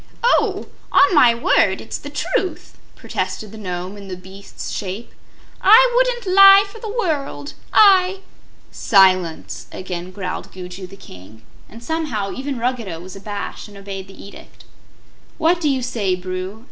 "Oh, on my word, it's the truth!" protested the Nome in the beast's shape. "I wouldn't lie for the world; I " "Silence!" again growled Gugu the King; and somehow, even Ruggedo was abashed and obeyed the edict. "What do you say, Bru?"